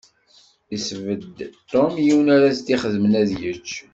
Yesbedd Tom yiwen ara s-d-ixeddmen ad yečč.